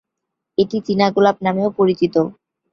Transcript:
এটি চীনা গোলাপ নামেও পরিচিত।